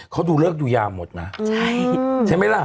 เขาดูเลิกดูยาวหมดนะใช่